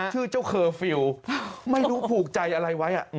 ชื่อเจ้าเคอร์ฟิลล์ไม่รู้ผูกใจอะไรไว้